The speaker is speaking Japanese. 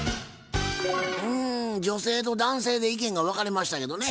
うん女性と男性で意見が分かれましたけどね。